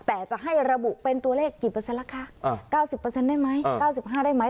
แต่จะให้ระบุเป็นตัวเลขกี่เปอร์เซ็นแล้วคะ๙๐ได้ไหม๙๕ได้ไหม